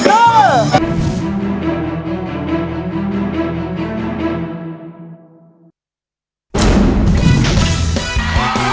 ขอบคุณนะครับ